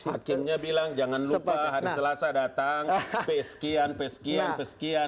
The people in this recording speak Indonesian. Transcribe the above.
hakimnya bilang jangan lupa hari selasa datang pesekian pesekian pesekian